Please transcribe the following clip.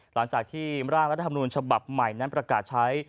หลังจากที่ร่างรัฐธรรมนูญฉบับใหม่นั้นประกาศใช้